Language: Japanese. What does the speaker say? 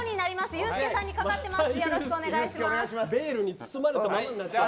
ユースケさんにかかっています。